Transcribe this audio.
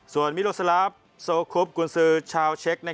ส่วนมิโลซาลาฟโซคุปกุญสือชาวเช็ค